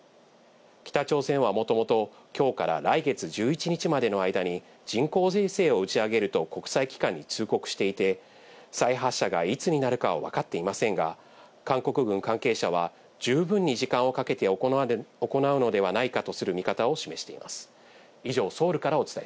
北朝鮮はもともと、きょうから来月１１日までの間に、人工衛星を打ち上げると国際機関に通告していて、再発射がいつになるかは分かっていませんが、韓国軍関係者は、十分に時間をかけて行うのではないかとする見方を示しています。